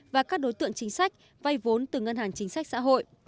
và các đối tượng chính sách vay vốn từ ngân hàng chính sách xã hội